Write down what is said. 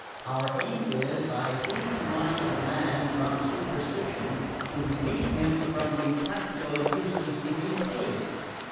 Our aim is, by freeing the mind of man from superstition to relieve him from the practical abuses it entails.